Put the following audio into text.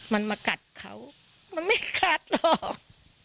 มันมากัดเขามันไม่คาดหรอก